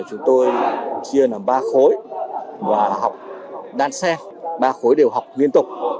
chúng tôi chia làm ba khối và học đan xe ba khối đều học liên tục